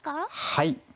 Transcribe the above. はい。